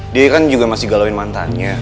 dia kan juga masih galauin mantannya